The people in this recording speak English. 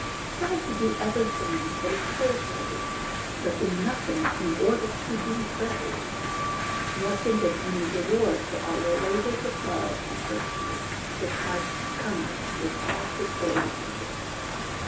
Strive to do every thing that is praise worthy, but do nothing in order to be praised ; nor think of any reward for all your labours of love and virtue, till Christ Cometh with all his holy angels.